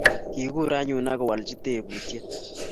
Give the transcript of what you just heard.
Ki kuur anyun ak kowalji teputiet